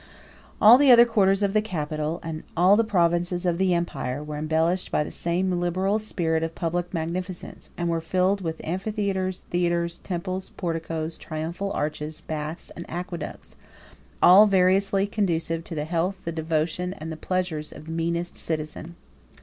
All the other quarters of the capital, and all the provinces of the empire, were embellished by the same liberal spirit of public magnificence, and were filled with amphitheatres, theatres, temples, porticoes, triumphal arches, baths and aqueducts, all variously conducive to the health, the devotion, and the pleasures of the meanest citizen.